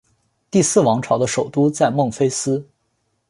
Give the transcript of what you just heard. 第四王朝的首都在孟菲斯。